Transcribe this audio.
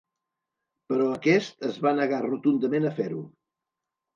Però aquest es va negar rotundament a fer-ho.